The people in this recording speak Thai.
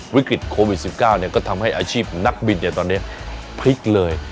วิกฤตโควิดสิบเก้าเนี้ยก็ทำให้อาชีพนักบินเนี้ยตอนเนี้ยพลิกเลย